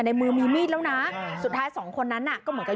ในมือมีมีดแล้วนะสุดท้ายสองคนนั้นน่ะก็เหมือนกับ